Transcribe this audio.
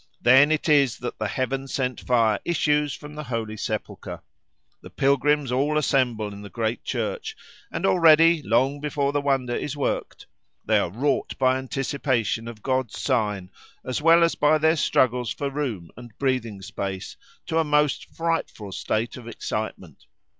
Then it is that the Heaven sent fire issues from the Holy Sepulchre. The pilgrims all assemble in the great church, and already, long before the wonder is worked, they are wrought by anticipation of God's sign, as well as by their struggles for room and breathing space, to a most frightful state of excitement.